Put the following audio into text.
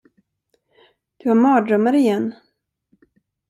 Du har mardrömmar igen.